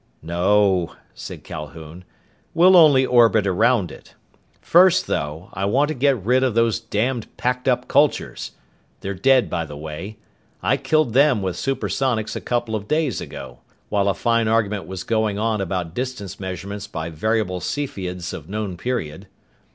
"No," said Calhoun. "We'll only orbit around it. First, though, I want to get rid of those damned packed up cultures. They're dead, by the way. I killed them with super sonics a couple of days ago, while a fine argument was going on about distance measurements by variable Cepheids of known period."